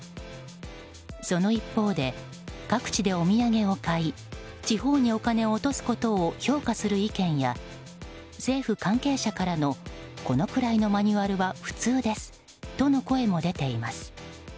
その一方で各地でお土産を買い地方にお金を落とすことを評価する意見や政府関係者からのこのくらいのマニュアルは普通ですとの声も出ています。